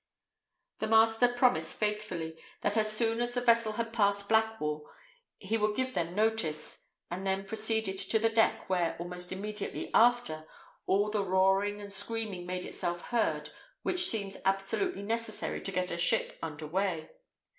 The master promised faithfully, that as soon as the vessel had passed Blackwall he would give them notice, and then proceeded to the deck, where, almost immediately after, all the roaring and screaming made itself heard which seems absolutely necessary to get a ship under way.